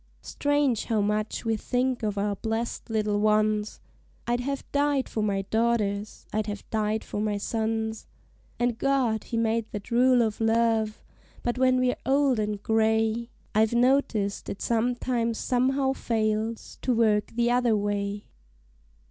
Strange how much we think of our blessed little ones! I'd have died for my daughters, I'd have died for my sons; And God he made that rule of love; but when we're old and gray, I've noticed it sometimes somehow fails to work the other way.